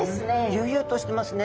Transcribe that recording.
悠々としてますね。